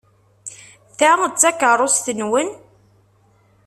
Ta d takeṛṛust-nwen?